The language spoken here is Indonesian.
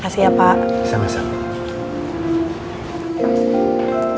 kasih ya pak sama sama